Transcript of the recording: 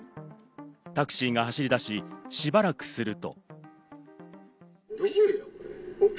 タクシーが走り出し、しばらくすると。